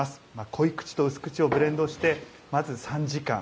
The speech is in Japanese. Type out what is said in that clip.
濃い口と薄口をブレンドしてまず３時間。